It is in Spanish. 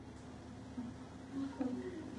Logra ingresar a la finca mediante el sótano.